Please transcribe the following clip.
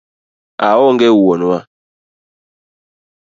Aonge wuonwa